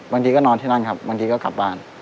บางทีก็นอนที่นั่นครับบางทีก็กลับบ้าน